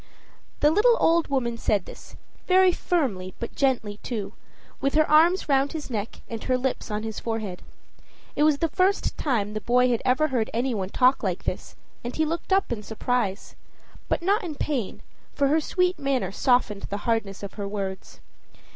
The little old woman said this very firmly, but gently, too with her arms round his neck and her lips on his forehead. It was the first time the boy had ever heard any one talk like this, and he looked up in surprise but not in pain, for her sweet manner softened the hardness of her words.